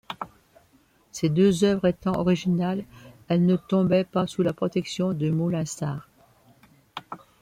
Ces deux œuvres étant originales, elles ne tombaient pas sous la protection de Moulinsart.